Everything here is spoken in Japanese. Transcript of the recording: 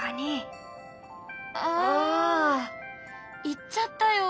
行っちゃったよ。